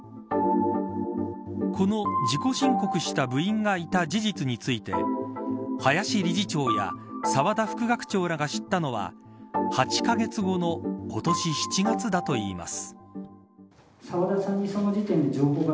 この自己申告下部員がいた事実について林理事長や澤田副学長が知ったのは８カ月後の今年７月だといいます。